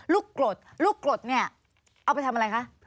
กรดลูกกรดเนี่ยเอาไปทำอะไรคะ